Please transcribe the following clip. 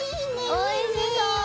おいしそう！